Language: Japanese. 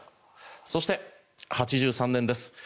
そして、８３年です。